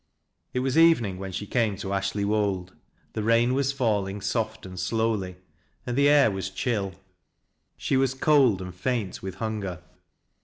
It was evening when she came to Ashley Wold ; the rain was falling soft and slowly, and the air was chill. She was cold, and faint with hunger.